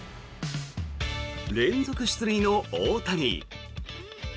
連続出塁の大谷。